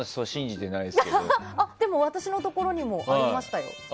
でも、私のところにもありましたよ。